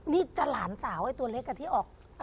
นี่จะหลานสาวไอ้ตัวเล็กที่ออก